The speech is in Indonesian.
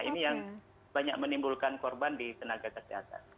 ini yang banyak menimbulkan korban di tenaga kesehatan